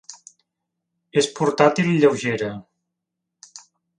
És portàtil i lleugera.